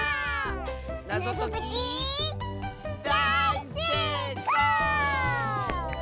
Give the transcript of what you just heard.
なぞときだい・せい・こう！